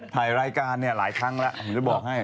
ถ่ายรายการเนี่ยหลายครั้งแล้วผมจะบอกให้